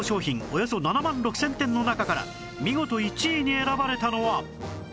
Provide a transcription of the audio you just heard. およそ７万６０００点の中から見事１位に選ばれたのは？